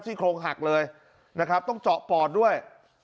ซีโครงหักเลยและต้องเจาะปอดด้วย